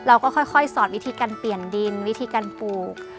เราก็ค่อยสอดวิธีการเปลี่ยนดินวิธีการปลูก